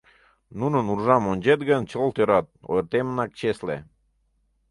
Нунын уржам ончет гын, чылт ӧрат — ойыртемынак чесле.